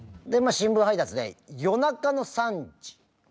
新聞配達で夜中の３時。